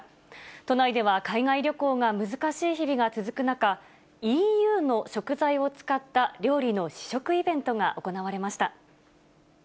都内では、海外旅行が難しい日々が続く中、ＥＵの食材を使った料理の試食イ